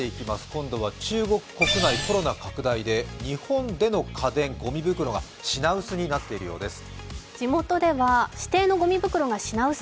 今度は中国国内、コロナ拡大で日本での家電、ごみ袋が品薄になっているようです。